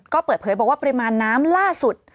ก็เปิดเผยบอกว่าปริมาณน้ำล่าสุด